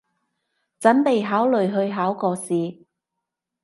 準備考慮去考個試